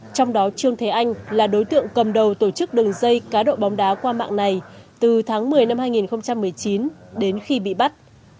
trong đó trương thế anh là đối tượng cầm đầu tổ chức đường dây cá độ bóng đá qua mạng này từ tháng một mươi năm hai nghìn một mươi chín đến khi bị bắt